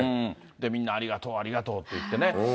みんなありがとう、ありがとうって言ってね。